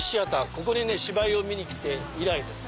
ここに芝居を見に来て以来です。